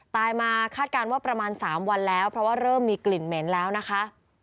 ตายมาคาดการณ์ว่าประมาณ๓วันแล้วเพราะว่าเริ่มมีกลิ่นเหม็นแล้วนะคะ